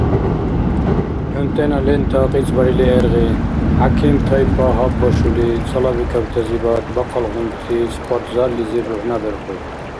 ХӀунтӀена лента кьицӀбарили гӀергъи, хӀяким тайпа гьаббашули, цалабикибтазибад бахъалгъунти спортзаллизи бухӀнаберхур.